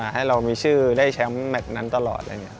ให้เรามีชื่อได้แชมป์แมทนั้นตลอด